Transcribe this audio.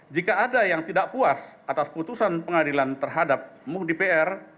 jika ada yang tidak puas atas putusan pengadilan terhadap muhdi pr